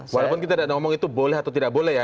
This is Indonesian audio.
walaupun kita tidak ngomong itu boleh atau tidak boleh ya